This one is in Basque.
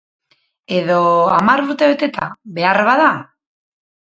Edo hamar urte beteta, beharbada?